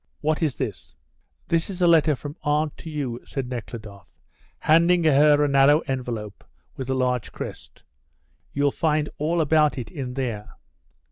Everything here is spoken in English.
"What is this?" "This is a letter from aunt to you," said Nekhludoff, handing her a narrow envelope, with a large crest. "You'll find all about it in there."